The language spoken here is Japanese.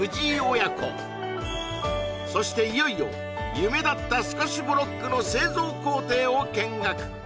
そしていよいよ夢だった透かしブロックの製造工程を見学